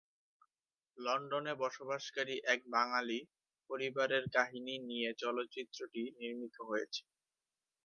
লন্ডনে বসবাসকারী এক বাঙ্গালী পরিবারের কাহিনী নিয়ে চলচ্চিত্রটি নির্মিত হয়েছে।